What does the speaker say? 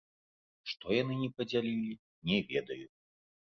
Што яны не падзялілі, не ведаю.